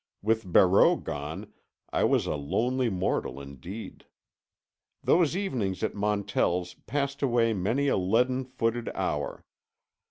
With Barreau gone, I was a lonely mortal indeed. Those evenings at Montell's passed away many a leaden footed hour.